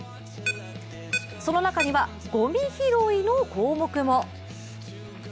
その中にはゴミ拾いの項目も。